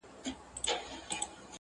غرڅه ډوب وو د ښکرونو په ستایلو -